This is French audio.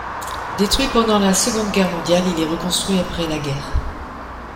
Détruit pendant la Seconde Guerre mondiale, il est reconstruit après la guerre.